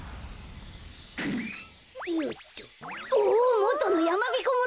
もとのやまびこ村だ。